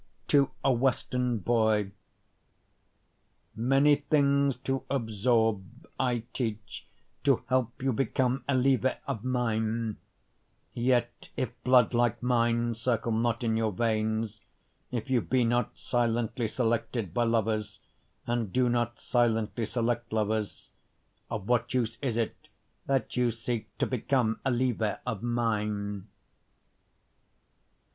To a Western Boy Many things to absorb I teach to help you become eleve of mine; Yet if blood like mine circle not in your veins, If you be not silently selected by lovers and do not silently select lovers, Of what use is it that you seek to become eleve of mine?